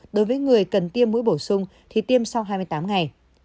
đối với người cần tiêm mũi bổ sung thì tiêm sau hai mươi tám ngày